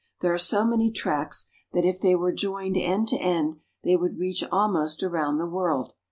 There are so M*V many tracks that if they were joined end to end they would reach almost around the world.